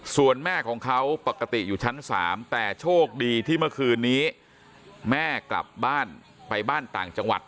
ส่วนแม่ของเขาปกติอยู่ชั้น๓แต่โชคดีที่เมื่อคืนนี้แม่กลับบ้านไปบ้านต่างจังหวัด